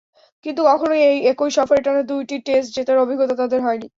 কিন্তু কখনোই একই সফরে টানা দুটি টেস্ট জেতার অভিজ্ঞতা তাদের হয়নি।